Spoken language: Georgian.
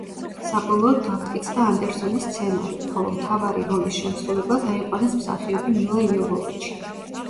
საბოლოოდ დამტკიცდა ანდერსონის სცენარი, ხოლო მთავარი როლის შემსრულებლად აიყვანეს მსახიობი მილა იოვოვიჩი.